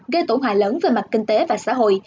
gây tổn hại lớn về mặt kinh tế và xã hội